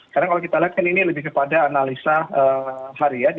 karena kalau kita lihat ini lebih kepada analisa harian